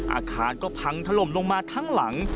อาคารก็พังถล่มลงมาทั้งหลัง